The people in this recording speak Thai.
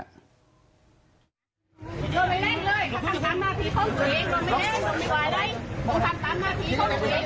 มีภาพวงจรปิดอีกมุมหนึ่งของตอนที่เกิดเหตุนะฮะ